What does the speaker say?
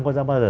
có bao giờ